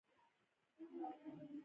افغانستان له مورغاب سیند ډک دی.